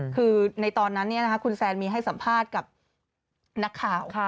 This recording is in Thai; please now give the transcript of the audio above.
คือในตอนนั้นคุณแซนมีให้สัมภาษณ์กับนักข่าว